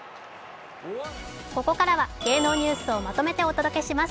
ここからは芸能ニュースをまとめてお届けします